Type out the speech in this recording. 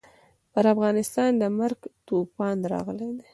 پر افغانستان د مرګ توپان راغلی دی.